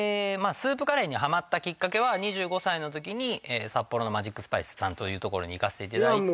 スープカレーにハマったきっかけは２５歳の時に札幌のマジックスパイスさんというところに行かせていただいて